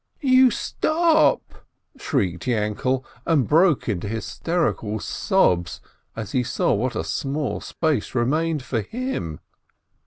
404 EAISIN "You stop !" shrieked Yainkele, and broke into hys terical sobs, as he saw what a small space remained for him.